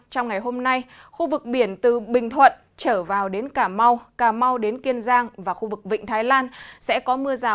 trong ngày hôm nay khu vực biển từ bình thuận trở vào đến cà mau cà mau đến kiên giang và gió giật mạnh